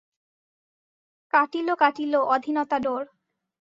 কাটিল কাটিল অধীনতা ডোর।